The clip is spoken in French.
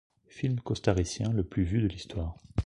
Film costaricien le plus vu de l'histoire.